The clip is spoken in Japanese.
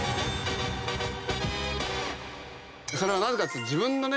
それはなぜかっつうと自分のね